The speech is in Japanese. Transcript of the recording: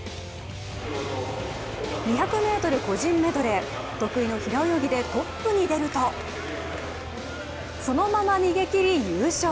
２００ｍ個人メドレー、得意の平泳ぎでトップに出るとそのまま逃げ切り優勝！